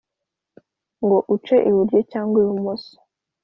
ngo uce iburyo cyangwa ibumoso,